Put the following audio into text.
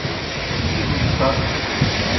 دِبوْ گہ ست۔